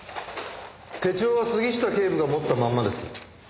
手帳は杉下警部が持ったまんまです。